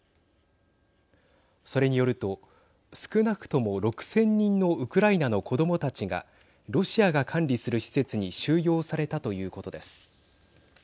それによると少なくとも６０００人のウクライナの子どもたちがロシアが管理する施設に収容されたということです。